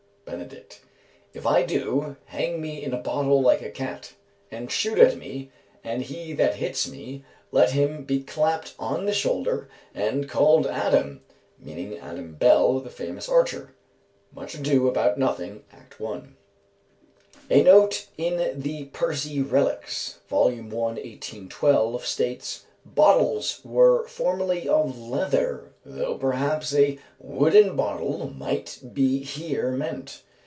_ "BENEDICT. If I do, hang me in a bottle like a cat, and shoot at me, and he that hits me, let him be clapt on the shoulder and called Adam" (meaning Adam Bell, the famous archer). Much Ado About Nothing, Act I. A note in the "Percy Reliques," vol. i., 1812, states: "Bottles were formerly of leather, though perhaps a wooden bottle might be here meant.